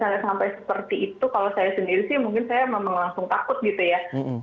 kalau misalnya sampai seperti itu kalau saya sendiri sih mungkin saya memang langsung takut gitu ya